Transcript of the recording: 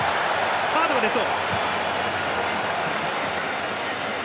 カードが出そう。